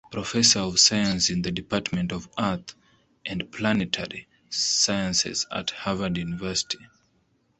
Professor of Science in the Department of Earth and Planetary Sciences at Harvard University.